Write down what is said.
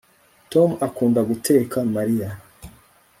tom akunda guteka mariya